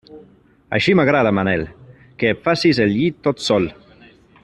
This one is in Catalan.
Així m'agrada, Manel, que et facis el llit tot sol.